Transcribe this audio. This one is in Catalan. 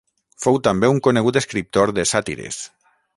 Fou també un conegut escriptor de sàtires.